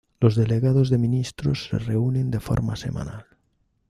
Los Delegados de Ministros, se reúnen de forma semanal.